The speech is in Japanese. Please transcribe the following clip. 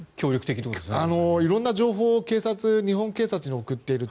色んな情報を日本警察に送っていると。